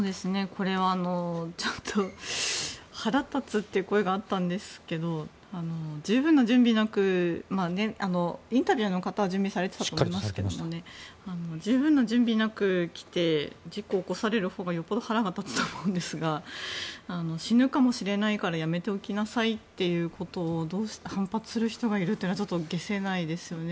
これは腹立つという声があったんですが十分な準備なくインタビューの方は準備されていたと思いますが十分な準備なく来て事故を起こされるほうがよっぽど腹が立つと思うんですが死ぬかもしれないからやめておきなさいということを反発する人がいるというのは解せないですよね。